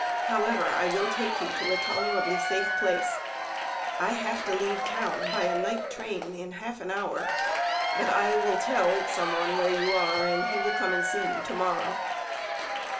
However, I will take you to a tolerably safe place. I have to leave town by a night train in half an hour, but I will tell where you are, and he will come and see you to morrow."